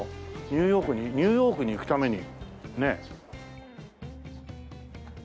ニューヨークにニューヨークに行くために。